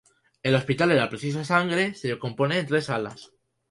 El Hospital de la Preciosa Sangre se compone de tres alas.